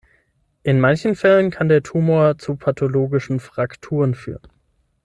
In manchen Fällen kann der Tumor zu pathologischen Frakturen führen.